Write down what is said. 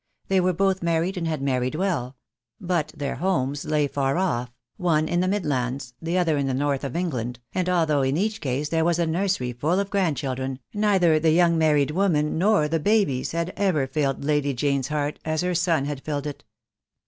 They were both mar ried, and had married well; but their homes lay far off, one in the Midlands, the other in the North of England, and although in each case there was a nursery full of grandchildren, neither the young married women nor the babies had ever filled Lady Jane's heart as her son had filled it.